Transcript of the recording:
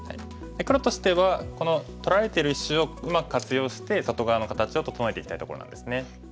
黒としてはこの取られてる石をうまく活用して外側の形を整えていきたいところなんですね。